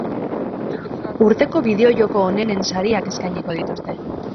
Urteko bideojoko onenen sariak eskainiko dituzte.